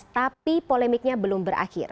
tapi polemiknya belum berakhir